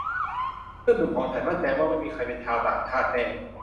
เพื่อนหนุ่มของฉันมั่นใจว่าไม่มีใครเป็นชาวต่างชาติแน่